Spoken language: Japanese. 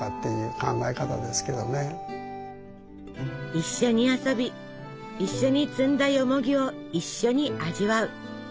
一緒に遊び一緒に摘んだよもぎを一緒に味わう。